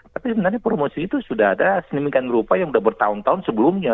tapi sebenarnya promosi itu sudah ada sedemikian rupa yang sudah bertahun tahun sebelumnya